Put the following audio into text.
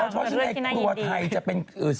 เพราะฉะนั้นในครัวไทยจะเป็น